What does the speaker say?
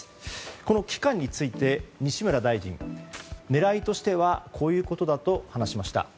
この期間について西村大臣狙いとしてはこういうことだと話しました。